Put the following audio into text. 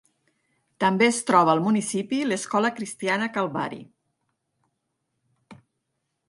També es troba al municipi l'escola cristiana Calvary.